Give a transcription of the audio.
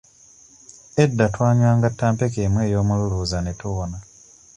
Edda twanywanga ttampeko emu ey'omululuuza ne tuwona.